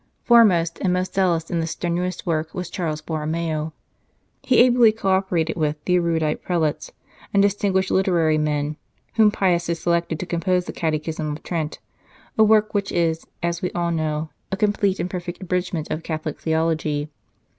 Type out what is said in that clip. Foremost and most zealous in this strenuous work was Charles Borromeo. He ably co operated with the erudite prelates and distinguished literary men whom Pius had selected to compose the Catechism of Trent, a work which is, as we all know, a complete and perfect abridgment of Catholic theology.